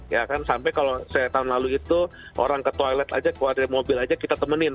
ya kan sampai kalau saya tahun lalu itu orang ke toilet aja keluar dari mobil aja kita temenin